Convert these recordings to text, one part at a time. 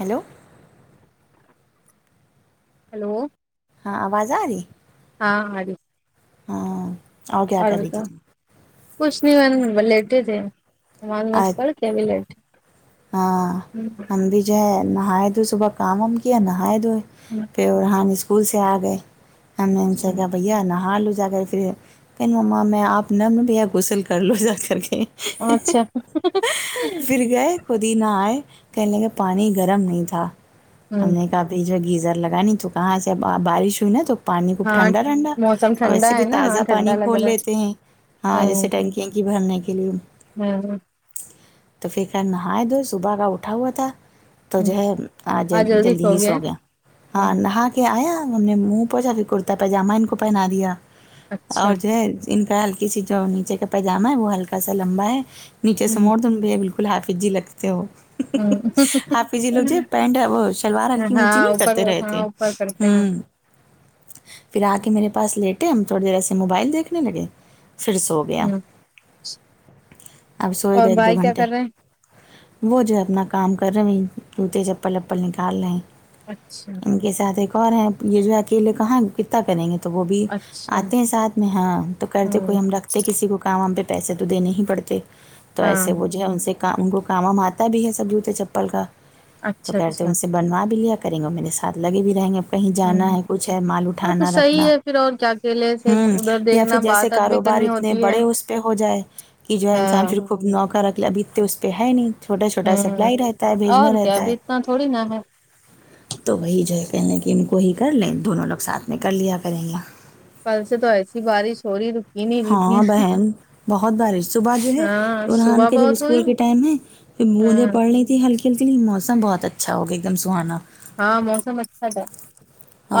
hello hello ہاں آواز آ رہی ہاں آری ہاں کیا اور کر رہی تھی بتاو تم کچھ نہیں ہم لیٹے تھے نماز آج ماز پڑھ کے ابھی لیٹے ہاں ہم بھی جو ہے نہائے دو صبح کام وام کیا نہائے دوئے ہوں پھر ارحان اسکول سے آ گئے ہم نے ان سے کیا بئی یا نہا لو جا کر پھر ہمام میں آپ نل بھی ہے غسل کر لو جا کر کے اچھا پھر گئے خود ہی نہائے کہنے کہ پانی گرم نہیں تھا ہم ہوں نے کہا یے جو گیزر لگانی تو کہاں سے اب بارش ہوئی نا تو پانی خوب ہاں ٹھنڈا ٹھنڈا موسم اور ٹھنڈا ویسے ہے بھی نا تازہ ہاں ٹھنڈا پانی لگ کھول رہا لیتے ہیں ہاں جیسے ٹنکیاں کی بھرنے کے لیے ہوں تو فکر نہائے دھوئے صبح کا اٹھا ہوا تھا تو جو ہے آج جلدی ہی سو گیا ہاں نہا کے آیا ہم نے منہ پہنچا پھر کرتا پائجامہ ان کو پہنا دیا اچھا اور جو ہے ان کا ہلکی سی جو نیچے کا پائجاما ہے وہ ہلکا سا لمبا ہے نیچے سے موڑ ہاں د ان یہ بالکل ہاتف جی لگتے ہو ہافی جی لوگ جو پینٹ ہے وہ شلوار ہلکی اونچی ہاں نہیں اوپر کرتے رہے ہاں تے ہے اوپر کرتے ہیں ہوں پھر آ کے میرے پاس لیٹے ہم تھوڑی دیر ایسے موبائل دیکھنے لگے پھر سو گیا ہ اب سوئے گا اور ایک دو بھائی کیا گھنٹے کر رہے ہیں وہ جو ہے اپنا کام کر رہے ہیں جوتے چپل اپل نکال رہے ہیں اچھا ان کے ساتھ ایک اور ہے یہ جو ہے اکیلے کہاں کتنا کریں گے تو وہ بھی اچھا آتے ہیں ساتھ میں ہاں تو کرتے ہ کوئی ہم رکھتے کسی کو کام پہ پیسے تو دینے ہی پڑتے تو ہاں ایسے وہ جو ہے ان سے ان کو کام وام آتا بھی ہے سب جوتے چپل کا تو اچھا کرتے ہیں اچھا ان سے بنوا بھی لیا کریں گے اور میرے ساتھ لگے بھی رہیں گے کہیں ہ جانا ہے کچھ ہے مال ہاں تو اٹھانا صحیح رکھنا ہے پھر اور کیا اکیلے سے ہوں ادھر یا پھر دیکھنا جیسے بات آت بھی کاروبار کرنی اتنے ہوتی ہے بڑے اس پہ ہو جائے کہ جوہے ہاں انسان پھر خود نوکر رکھلے ابھی تو اس پہ ہے نہیں چھوٹا چھوٹا ہوں سپلائی رہتا ہے بھیجنا اور کیا رہتا ہے ابھی اتنا تھوڑی نا ہے تو وہی جو ہے کہہ لیں کہ ان کو ہی کر لیں دونوں لوگ ساتھ میں کر لیا کریں گا کل سے تو ایسی بارش ہو رہی ہے ہاں بہن بہت بارش صبح جو ہے ہاں ارحان صبح کے جب بہت ہوئی اسکول کے ٹائم ہے پھر بوندیں ہاں پڑ لی تھی ہلکی ہلکی سی موسم بہت اچھا ہوگیا ایک دم سہانا ہاں موسم اچھا تھا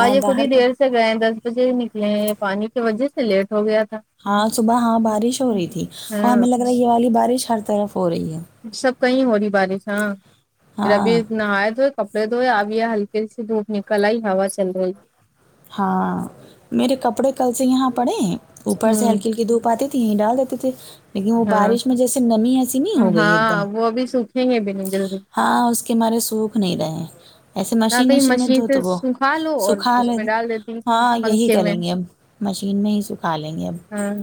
آ یہ خود باہر ہی کا دیر سے سے گئے دس بجے ہی نکلے ہیں پانی کی وجہ سے لیٹ ہو گیا تھا ہاں صبح ہاں بارش ہو رہی تھی اور ہاں ہمیں لگ رہا ہے یہ والی بارش ہر طرف ہو رہی ہے سب کہی ہو رہی بارش ہاں پھر ابھی ہاں نہاے دھوے کپڑ ے دھوے اب یہ ہلکی سی دھوپ نکل آئی ہوا چل رہی ہے ہاں میرے کپڑے کل سے یہاں پڑے اوپر سے ہوں ہلکی ہلکی دھوپ آتیھی ہی ڈال دیتے تھے لیکن وہ ہاں بارش میں جیسے نمی ایسی نہیں ہو گئی ایک دم ہاں وہ بھی سوکھے گے بھی نہیں جلدی ہاں اس کے مارے سوکھ نہیں رہے ہے ایسے نہ مشین کہیں وشین میں دھو سے تو وہ سکھا لو اور جس سکھالی میں ڈال دیتی ہاں یہی پنکھے میں کریں گے اب مشین میں ہی سکھا لیں گے اب ہاں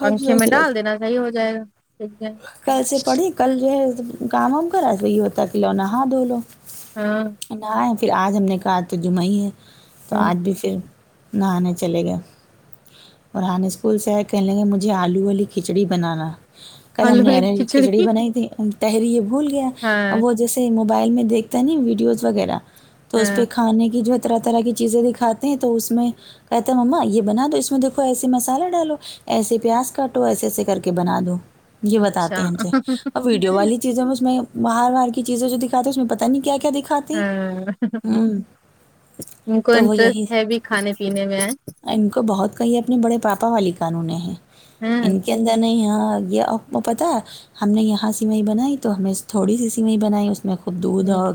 ہم پنکھے سوچ میں رہے ڈال تھے دینا صحیح ہو جائے گا سوکھ جائے کل سے پڑھی کل جو ہے کام وام کرا تو یہ ہوتا کی لاؤ نہا دھو لو ہاں نہ پھر آج ہم نے کہا تو جمعہ ہی ہے تو ہاں آج بھی پھر نہاننے چلے گئے ارہان اسکول سے آئے کہنے لگے گے مجھے آلو والی کھچڑی بنانا کل ہم آلو نے والی ارہر کی کھچڑی بنائی تھی تحری یہ بھول گیا ہاں اب وہ جیسے موبائل میں دیکھتا نہیں ویڈیوز وغیرہ تو اس پہ ہاں کھانے کی جو ہے طرح طرح کی چیزیں دکھاتے ہیں تو اس میں کہتے مما یہ بنا دو اس میں دیکھو ایسے مسالہ ڈالو ایسے پیاز کاٹو ایسے ایسے کر کے بنا دو یہ بتاتے اچھا ہے ہم سے اور ویڈیو والی چیزیں میں اس میں بار بار کی چیزیں جو دکھا ہے اس میں پتا نہیں کیا دکھا ہاں ان کو تو وہ یہی انٹرسٹ ہے بھی کھانے پینے میں ان کو بہت کہی اپنے بڑے پاپا والی قانون ہیں ہاں ان کندر نہیں یہاں یہ آپ کو پتا ہے ہم نے یہاں سیوی بنائی تو ہمیں تھوڑی سی سیوئیں بنائی اس میں خوب دودھ اور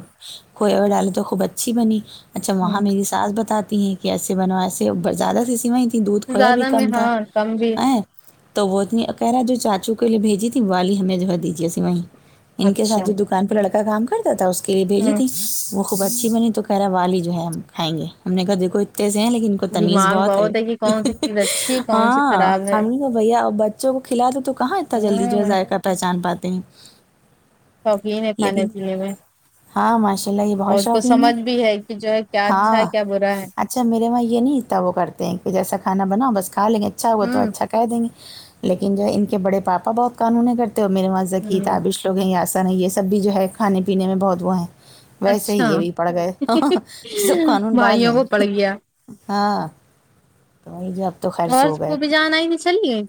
کھوئے اور ڈالے تو خوب اچھی بنی اچھا وہاں میری ساس بتاتی ہیں کہ ایسے بناو ایسے زیادہ سی سیوی دودھ کویا بھی زیادہ میں کم تھا ہاں کم بھی ا تو وہ اتنی قہیرہ جو چاچو کے لیے بھیجی تھی والی ہمیں جو دیجیے سیوی ان کے اچھا ساتھ جو دکان پہ لڑکا کام کرتا تھا اس کے لیے بھیجی ہوں تھی وہ خوب اچھی بنی تو کہہ رہا ہے والی جو ہے ہم کھائے گے ہم نے کہا دیکھو اتے سے ہیں لیکن کو تمیز دماغ بہت ہے کہ کون سی چیز اچھی ہے کون سی ہاں خراب ہے ہم تو بھیا با بچوں کو کھلا دو تو کہاں اتنا جلدی جو ہے ہوں ذائقہ پہچان پاتے ہیں شوقین ہے کھانے لیکن پینے میں ہاں ماشاء اللہ یہ بہت اور اس کو شوقین سمجھ بھی ہے کہ جو ہے کیا اچھا ہے ہاں کیا برا ہے اچھا میرے وہاں یہ نہیں اتتا وہ کرتے ہیں کہ جیسا کھانا بنا بس کھا لیں گے اچھا ہوا تو ہوں اچھا کہ دیں گے لیکن جو ان کے بڑے پاپا بہت قانونی کرتے ہو میرے وہا زکی ہوں تابش یہ ایسا نہیں ہے یہ سب بھی جو ہے کھانے پینے میں بہت وہ ہیں ویسے ہی اچھا یہ بھی پڑ گئے سب قانون باز بھائیوں ہیں کو پڑ گیا ہاں تو ہی جب اور اس کو بھی جانا ہی نہیں چلیے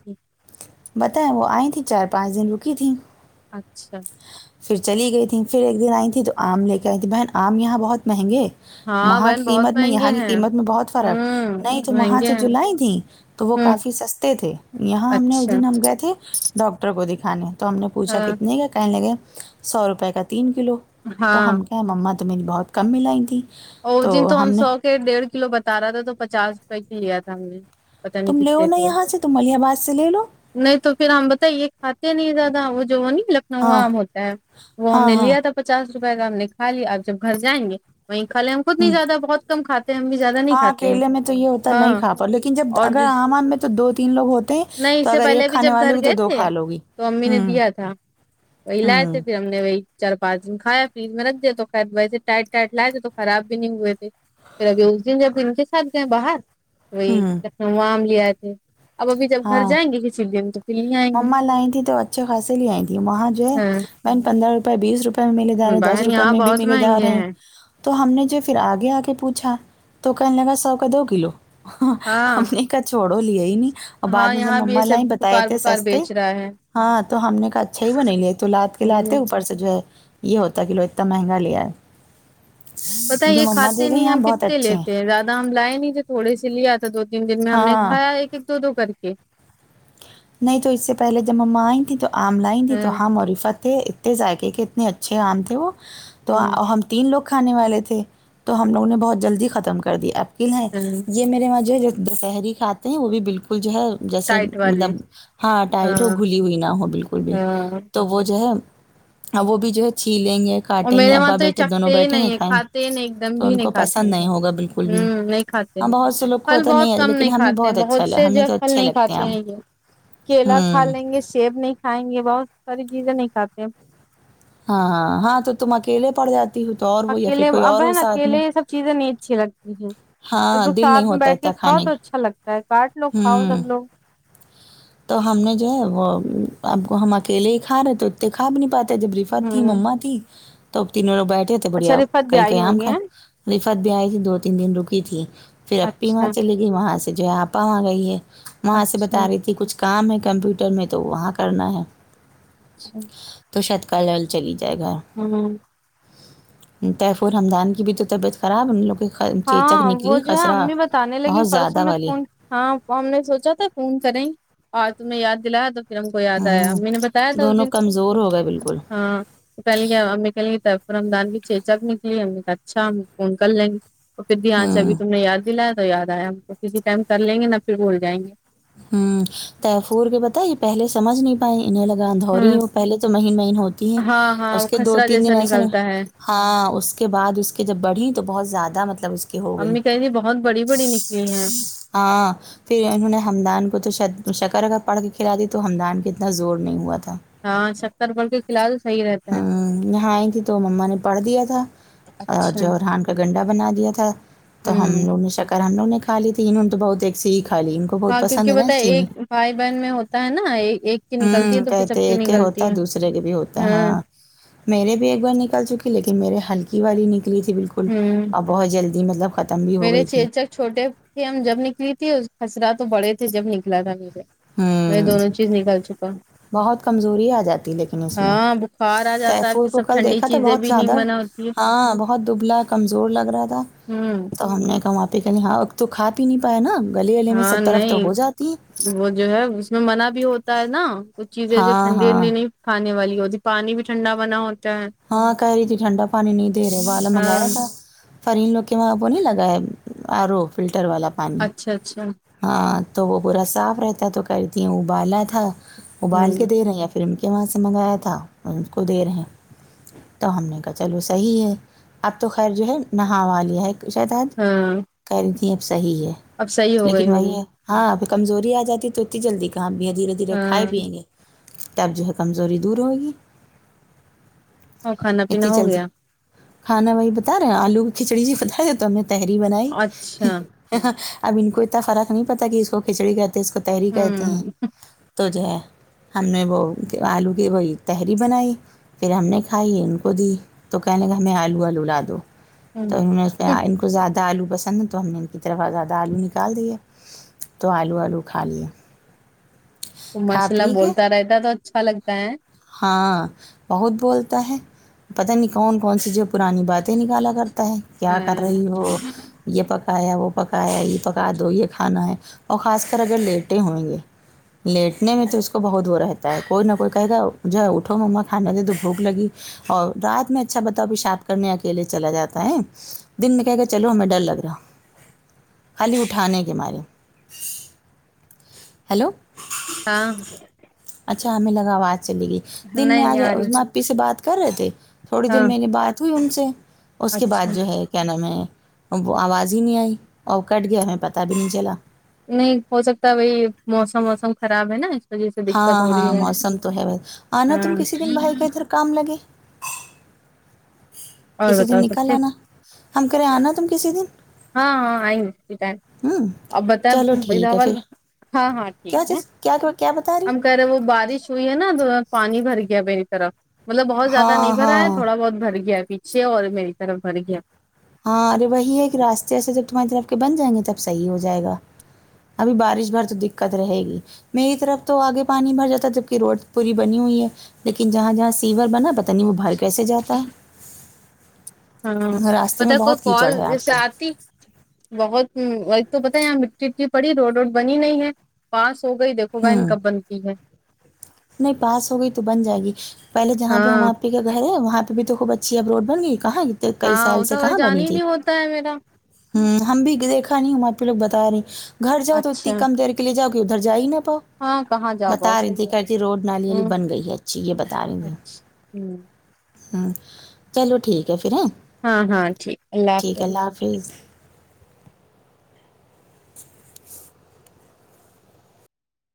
بتائیں وہ آئی تھیں چار پانچ دن رکی تھیں اچھا پھر چلی گئی تھیں پھر ایک دن آئی تھیں تو آم لے کے آئی تھی بہن آم یہاں بہت مہنگے ہاں وہاں کی بہن بہت قیمت میں یہاں مہنگے کی ہیں قیمت میں بہت فرق ہوں نہیں تو وہاں مہنگے سے ہیں جو لائی تھی تو وہ ہوں کافی سستے تھے یہاں ہم نے اس اچھا دن ہم گئے تھے ڈاکٹر کو دکھانے تو ہم نے پوچھا ہاں کتنے کا کہنےگئے سو روپئے کا تین کلو تو ہاں ہم کہے مما تم میری بہت کم میں لائی تھی او جن تو ہم سو کے ڈیڑھ کلو بتا رہا تھا تو پچاس روپئے کی لیا تھا ہم نے پتا نہیں تم لیو کتنے نا تھے یہاں سے تم علیہ آباد سے لے لو نہیں تو پھر ہم بتاے یہ کھاتے نہیں زیادہ وہ جونی نو ہاں آم ہوتا ہے وہ ہم ہاں نے ہاں لیا تھا پچاس روپے کا ہم نے کھا لیا آپ جب گھر جائیں گے [unintelligible] ہ بہت کم کھاتے ہیں ہم بھی زیادہ نہیں ہاں کھاتے ہیں اکیلے میں تو یہ ہوتا نہیں ہاں کھا پا لیکن جب اور اگر جو آم آم میں تو دو تین لوگ ہوتے ہیں نہیں تو اس سے اگر ایک پہلے بھی کھانے جب والی گھر ہوگی تو گئے تھے کھا لو گی تو امی نے ہوں دیا تھا وہی لائے ہوں تھے پھر ہم نے وہی چار پانچ دن کھایا فریج میں رکھ دیا تو خیر ویسے ٹائٹ ٹائٹ لائے تھے تو خراب بھی نہیں ہوئے تھے پھر ابھی اس دن جب ان کے ساتھ گئے باہر وہی ہوں لکھنؤو آم لے آئے تھے اب ابھی جب گھر جائیں گے کسی دن تو پھر لے آئیں گے اماں لائی تھیں تو اچھے خاصے لے آئی تھی وہاں جو ہے ہاں مم پندرہ روپے بیس روپے میں ملے جارے دس بہن روپے یہاں میں بھی بہت ملے مہنگے جارہے ہیں تو ہم نے جو پھر آگے آ کے پوچھا تو کہنے لگا سو کا دو کلو ہاں ہمنے خیر چھوڑو لیا ہی نہیں اور بعد ہاں میں جب یہاں بھی یہ مما سب لائی بتایا بکار بکار سستے بیچ رہا ہے ہاں تو ہم نے کہا اچھا ہی وہ نہیں لیے تو لاتے لاتے ہمم اوپر جو ہے یہ ہوتا ہے کہ لوگ اتنا مہنگا لے ائے پتہ یہ کھاتے نہیں گئی ہیں ہاں ہم بہت کتنے اچھے لیتے ہیں رات ہم لایا نہیں تھے تھوڑے سے لیا تھا دو تین دن میں ہم نے ہاں کھایا ایک ایک دو دو کر کے نہیں تو اس سے پہلے جب مما ائی تھی تو عام لائی تھی ہاں تو ہم اور عفت اتنے ذائقے کے اتنے اچھے آم تھے وہ تو ہمم ہم تین لوگ کھانے والے تھے تو ہم لوگوں نے بہت جلدی ختم کر دیا لن ہے یہ میرے وہاں جو ہے سحری کھاتے ہیں وہ بھی بالکل جو ہے جیسے ٹائٹ والی مطلب ہاں ٹائٹ ہو گھلی ہوئی نہ ہو بالکل بھی ہاں تو وہ جو ہے وہ بھی جو ہے چھی لیں گے اور کاٹیں گے میرے وہاں ابا تو یہ بیٹے دونوں چکتے ہی بیٹھیں گے نہیں ہے کھائیں گے کھاتے ہی نہیں ایک دم تو بھی ان نہیں کو کھاتے پسند نہیں ہوگا بالکل بھی ہمم نہیں کھاتے ہاں بہت سے لوگ کو پھل ہوتا بہت ہے کم لیکن نہیں ہمیں کھاتے ہیں اچھا بہت لگا، سے ہمیں جو تو پھل اچھے نہیں لگتے کھاتے ہم ہیں یہ کیلا کھا ہوں لیں گے سیب نہیں کھائیں گے بہت ساری چیزیں نہیں کھاتے ہاں ہاں ہاں تو تم اکیلے پڑ جا اکیلے اب ہے اکیلے یہ سب چیزیں نہیں اچھی لگتی ہیں سب ہاں لوگ دل نہیں ساتھ میں ہوتا بیٹھ کے اتنا کھاؤ کھانے تو کا اچھا لگتا ہے کاٹ لو کھاؤ ہوں سب لوگ تو ہم نے جو ہے وہ اب کو ہم اکیلے ہی کھا رہے تو دیکھا اپنی باتیں جب رفت تھی ہوں مما تھی تو تینوں لوگ بیٹھے تھ اچھا بڑھیا رفت بھی کہیں آئی کہیں آم ہوگی ک ہیں رفت بھی ائی تھی دو تین دن روکی تھی پھر اپپی وہاں اچھا چلے گئی وہاں سے جو ہے اپا اگئی ہے وہاں سے اچھا بتا رہی تھی کچھ کام ہے کمپیوٹر میں تو وہاں کرنا ہے [unintelligible] تو شتکالکلل چلے جائے گا [unintelligible] طیفور ہمدان کی بھی تو طبیعت خراب ہم لوگ کی ہاں چیچک وہ نکلی جو ہے خسرہ امی بتانے لگی بہت پرسوں زیادہ نے والی فون ہاں ہم نے سوچا تھا فون کریں بعد میں یاد دلایا تو پھر ہم کو یاد آیا ہوں امی نے بتایا تھا اس دونوں دن کمزور ہو گئے بالکل ہاں تو کہنے لگی طیفور ہمدان کے چیچک نکلی ہم نےکہا اچھا ہم فون کر لیں گے تو پھر دی حان سے ہوں ابھی تم نے یاد دلایا تو یاد ایا ہم تو کسی ٹائم کریں گے نہ پھر بھول جائیں گے ہم تیفور نے بتائیں پہلے سمجھ نہیں پائے انہیں الگ کہاں اندہوری ہے ہوں وہ پہلے تو مہین مہین ہوتی ہے ہاں ہاں اس وہ کے دو خسرا تین جیسا دن ایسے نہیں نکلتا ہے ہاں اس کے بعد اس کے جب بڑھی تو بہت زیادہ مطلب اس کے ہو گئیں گی یا ہاں پھر انہوں نے ہمدان کو تو شاید شکر وکر پڑھ کے کھلادی تو ہمدان کی اتنا زور نہیں ہوا تھا ہاں سب شکر پڑھ کے کھلا دو صحیح ہے ہم نہائیں گے تو مما نے پڑھ دیا تھا اور اچھا جو ارحان کا گنڈا بنا دیا تھا تو ہم ہوں لوگ نے شک اور ہم لوگ نےکھالی تھی انوں انہوں نے تو بہت ایک سے ہی کھالی ہاں کیونکہ بتا ایک بھائی بہن میں ہوتا ہے نا ایک کی نکلتی ہے ہوں، تو پھر کہتے سب کی ایک کے نکلتی ہوتا ہے دوسرے کے بھی ہوتا ہے ہاں میرے بھی ایک بار نکل چکی لیکن میرے ہلکے کی والی نکلی تھی بالکل ہوں اب بہت جلدی مطلب ختم بھی ہو گئی تھی اچھا چھوٹے تھے ہم جب نکلی تھی خسرا تو بڑے تھے جب نکلا تھا میرے میں ہوں دونوں چیز نکال چکا بہت کمزوری ا جاتی لیکن اس میں ہاں بخار آ جاتا ہے تیفور پھر کو سب کل ٹھنڈی دیکھا تھا چیزیں بہت بھی نہیں زیادہ منع ہوتی ہے ہاں بہت دبلا کمزور لگ رہا تھا ہمم نہیں کماتی نہ ہو تو کھاپی نہیں پائے نا گلے گلے میں ہاں سب طرف تو نہیں ہو جاتی ہیں وہ جو ہے اس میں منع بھی ہوتا ہے نا کچھ چیزیں جو ہاں ٹھنڈی نڈی ہاں نہیں کھانے والی ہوتی پانی بھی ٹھنڈا بنا ہوتا ہے ہاں کہے رہی تھی ٹھنڈا پانی نہیں دے رہے بعد میں ہاں منگایا تھا فرین لوگ کے وہاں وہ نہیں لگا ہے آر رہ فلٹر والا پانی اچھا اچھا ہاں تو وہ پورا صاف رہتا تو کرتی ہوں ابالا تھا ابال ہوں کے دے رہی اب پھر ان کے وہاں سے منگایا تھا ان کو دے رہے ہیں تو ہم نے کہا چلو صحیح ہے اب تو خیر جو ہے نہاوا لیا ہے پوچھا تھا اج ہاں کہہ رہی تھیں اب صحیح ہے اب صحیح ہو گئی لیکن وہی ہوگی ہے ہاں پھر کمزوری آ جاتی تو اتنی جلدی کہاں دھیرے دھیرے کھائے ہاں پئیں گے تب جو ہے کمزوری دور ہوگی اور کھانا پینا اتنی ہو جلدی گیا کھانا وہی بتا رہے ہیں آلو کی کھچڑی جی بتا رہے تو ہم نے تحری بنائی ہ ں اچھا ہاں اب ان کو اتنا فرق نہیں پتا کہ اس کو کھچڑی کہتے اس کو تحری کہتے ہیں ہوں تو جو ہے ہم نے وہ آلو کی وہی تحری بنائی پھر ہم نے کھائی ان کو دی تو کہنے لگا ہمیں آلو آلو لا دو تو ان نے ہ انن کو زیادہ آلو پسند ہے تو ہم نے ان کی طرف زیادہ آلو نکال دینے تو آلو آلو کھا لیا ماشاللہ کے بولتا رہتا ہے تو اچھا لگتا ہے ہاں بہت بولتا ہے پتہ نہیں کون کون سی جو پرانی باتیں نکالا کرتا ہے کیا کر رہی ہاں ہو یہ پکایا وہ پکایا یہ پکا دو یہ کھانا ہے اور خاص کر اگر لیٹیں ہونگے لیٹنے میں تو اس کو بہت وہ رہتا ہے کوئی نہ کوئی کہے گا جو ہے اٹھو مما کھانے دے دو بھوک لگی اور رات میں اچھا بتاؤ پیشاب کرنے اکیلے چلا جاتا ہے دن میں کہیگا چلو ہمیں ڈر لگ رہا خالی اٹھانے کے مارے ہلو ہاں اچھا ہمیں لگا آواز چلے گئی دن میں نہیں نہیں آج اے آ رہی عظمی سے بات کر رہے تھے تھوڑی دیر ہاں میں نے بات ہوئی ان سے اس کے بعد اچھا جو ہے کیا نام ہے آواز ہی نہیں آئی اور کٹ گیا ہمیں پتہ بھی نہیں چلا نہیں ہو سکتا وہی موسم وسم خراب ہے نا وجہ سے ہاں دقت ہو ہاں رہی ہے موسم تو ہے آنا ہاں تم کسی دن بھائی کا ادھر کام لگے اور کسی دن بتاؤ سب نکل ٹھیک آنا ہم کریں آنا تم کسی دن ہاں ہاں [unintelligible] ہوں چلو ٹھیک ہے پھر ہاں ہاں ٹھیک کیا ہے چیز کیا کیا بتا رہی ہو کل وہ بارش ہوئی ہے نا تو پانی بھر گیا میری طرف مطلب بہت زیادہ نہیں ہاں بھرا ہے ہاں تھوڑا بہت بھر گیا ہے پیچھے اور میری طرف بھر گیا ہاں ارے وہی ہے کہ راستے راستے جب تمہاری طرف کے بن جائیں گے تب صحیح ہو جائے گا ابھی بارش بھر تو دقت رہے گی میری طرف تو آگے پانی بھر جاتا جبک روڈ پوری بنی ہوئی ہے لیکن جہاں جہاں سیور بنا پتا نہیں وہ بھر کیسے جاتا ہے ہاں راستے پتہ میں کوئی بہت کال کیچڑ ہے آج جسے کل آتی بہت ہوں وہی پتہ ہے یہ مٹی وٹی پڑی روڈ ووڈ بنی نہیں ہے پاس ہو گئی دیکھو بہن ہوں کب بنتی ہے پاس ہو گئی تو بن جائے گی پہلے جہاں پہ ہم ہاں آپی کا گھر ہے وہاں پہ تو خوب اچھی اب روڈ بن گئی کہاں کئی ہاں سال سے ادھر وال کہاں جان بنی تھی [unintelligible] ہوں ہم بھی دیکھا نہیں ہوں آپی لوگ بتا رہے گھر جاؤ تو اچھا اتنی کم دیر کے ادھر جا ہی نا پا ہاں کہاں جا پاؤ بتا رہی تھی صحیح ہے کہتی روڈ نالی والی ہ بن گئی ہے اچھی یہ بتا رہی تھی ہ ہوں چلو ٹھیک ہے پھر ہ ہاں ہاں ٹھیک اللہ حافظ